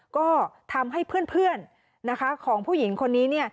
ก็ทำให้เพื่อนของผู้หญิงคนนี้